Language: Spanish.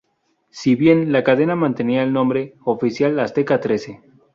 Si bien, la cadena mantenía el nombre oficial de Azteca Trece.